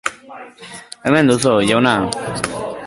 Hemen duzu, jauna.